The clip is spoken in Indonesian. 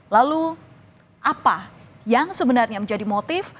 lalu apa yang sebenarnya menjadi motif